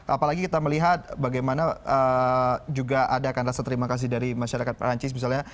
apalagi kita melihat bagaimana juga adakan rasa terima kasih dari masyarakat perancis misalnya